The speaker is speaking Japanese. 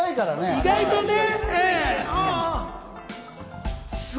意外とね。